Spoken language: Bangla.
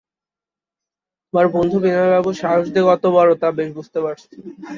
তোমার বন্ধু বিনয়বাবুর সাহস যে কত বড়ো তা বেশ বুঝতে পারছি।